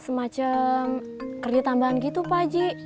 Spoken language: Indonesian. semacam kerja tambahan gitu pak haji